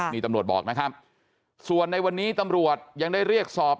นี่ตำรวจบอกนะครับส่วนในวันนี้ตำรวจยังได้เรียกสอบ